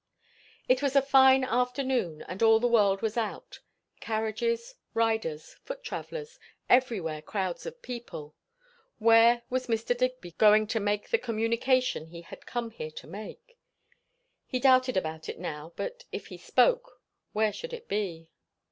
It was a fine afternoon, and all the world was out. Carriages, riders, foot travellers; everywhere crowds of people. Where was Mr. Digby going to make the communication he had come here to make? He doubted about it now, but if he spoke, where should it be?